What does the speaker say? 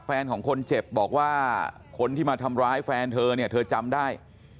แฟนของคนเจ็บบอกว่าคนที่มาทำร้ายแฟนเธอเนี่ยเธอจำได้